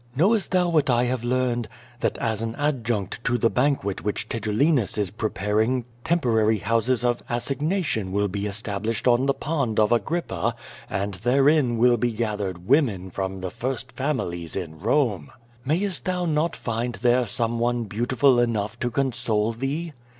Knowest thou what 1 have learned? That as an adjunct to the banquet which Tigellinus is preparing temporary houses of assignation will be established on the pond of Agrippa, and therein will be gathered women from the first families in Rome. Mayst thou not find there some one beautiful enough to console thee?